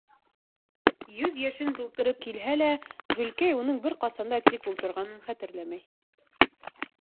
Йөҙ йәшен тултырып килһә лә, Гөлкәй уның бер ҡасан да тик ултырғанын хәтерләмәй.